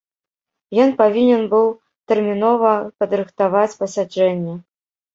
Ён павінен быў тэрмінова падрыхтаваць пасяджэнне.